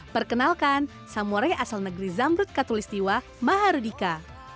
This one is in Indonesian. perkenalkan samurai asal negeri zambrut katolistiwa maharudika